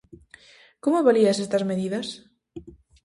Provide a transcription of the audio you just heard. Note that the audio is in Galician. Como avalías estas medidas?